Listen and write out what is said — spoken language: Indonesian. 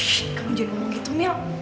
shh kamu jangan ngomong gitu mil